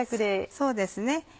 そうですね。